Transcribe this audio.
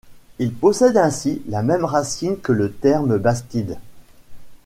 Il possède ainsi la même racine que le terme bastide.